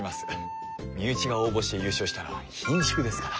身内が応募して優勝したらひんしゅくですから。